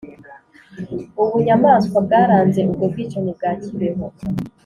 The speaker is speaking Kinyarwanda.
ubunyamaswa bwaranze ubwo bwicanyi bwa kibeho